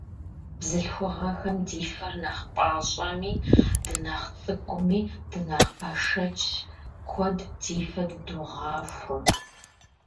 Бзылъхугъэхэм ди фэр нэхъ пӀащӀэми, дынэхъ цӀыкӀуми, дынэхъ бэшэчщ, куэд ди фэ дыдогъахуэ.